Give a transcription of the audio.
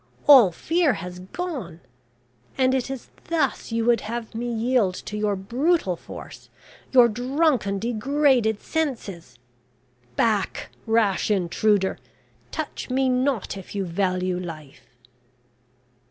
All fear has gone! And it is thus you would have me yield to your brutal force, your drunken, degraded senses! Back, rash intruder, touch me not if you value life!"